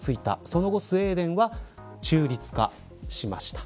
その後スウェーデンは中立化しました。